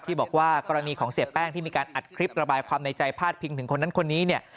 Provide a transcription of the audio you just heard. บอกว่ากรณีของเสียแป้งที่มีการอัดคลิประบายความในใจพาดพิงถึงคนนั้นคนนี้เนี่ย